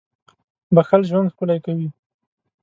• بښل ژوند ښکلی کوي.